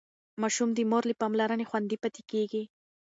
ماشوم د مور له پاملرنې خوندي پاتې کېږي.